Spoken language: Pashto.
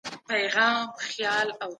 خو داخلي پانګوال ډېر ډاډمن وي.